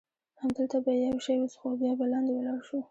همدلته به یو شی وڅښو، بیا به لاندې ولاړ شو.